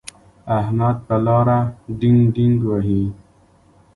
احمد په لاره ډینګګ وهي.